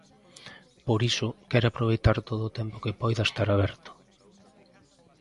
Por iso, quere aproveitar todo o tempo que poida estar aberto.